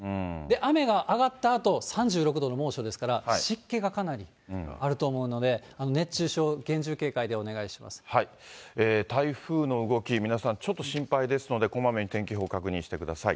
雨が上がったあと、３６度の猛暑ですから、湿気がかなりあると思うので、熱中症、台風の動き、皆さん、ちょっと心配ですので、こまめに天気予報確認してください。